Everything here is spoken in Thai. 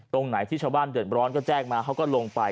ตรงไหนที่ชาวบ้านเดือดร้อนก็แจ้งมาเขาก็ลงไป